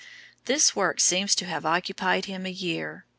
This work seems to have occupied him a year.